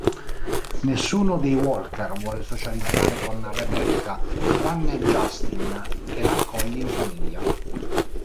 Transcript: Nessuno dei Walker vuole socializzare con Rebecca, tranne Justin, che la accoglie in famiglia.